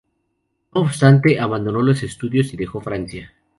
No obstante, abandonó los estudios y dejó Francia.